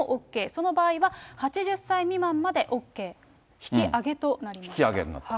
その場合は８０歳未満までＯＫ、引き上げになった。